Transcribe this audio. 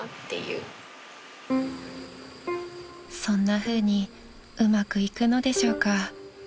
［そんなふうにうまくいくのでしょうか？］